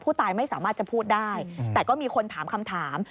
ไม่สามารถจะพูดได้แต่ก็มีคนถามคำถาม